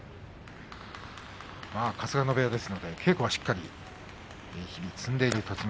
春日野部屋ですので稽古はしっかり日々積んでいる栃ノ